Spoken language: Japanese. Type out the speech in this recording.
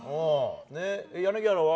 柳原は？